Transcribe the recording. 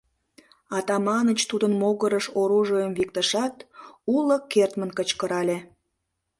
Атаманыч тудын могырыш оружийым виктышат, уло кертмын кычкырале: